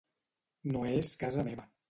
No és casa meva.